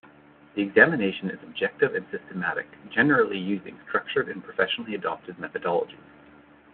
The examination is objective and systematic, generally using structured and professionally adopted methodologies.